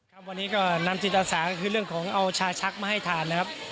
ครับวันนี้ก็นำจิตอาสาก็คือเรื่องของเอาชาชักมาให้ทานนะครับ